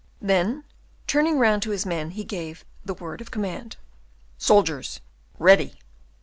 Then, turning round to his men, he gave the word of command, "Soldiers, ready!"